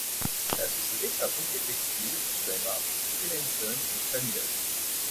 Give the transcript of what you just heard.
La société fabrique des textiles sous les marques Finlayson and Familon.